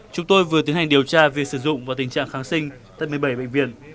chúng tôi vừa tiến hành điều tra việc sử dụng và tình trạng kháng sinh tại một mươi bảy bệnh viện